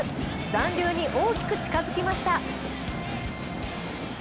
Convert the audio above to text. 残留に大きく近づきました。